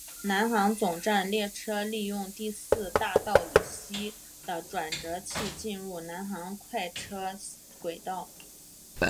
南行总站列车利用第四大道以西的转辙器进入南行快车轨道。